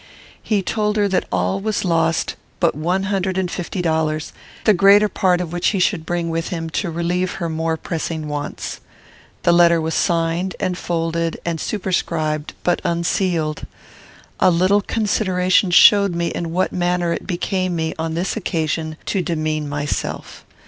He told her that all was lost but one hundred and fifty dollars, the greater part of which he should bring with him, to relieve her more pressing wants. The letter was signed, and folded, and superscribed, but unsealed. A little consideration showed me in what manner it became me, on this occasion, to demean myself.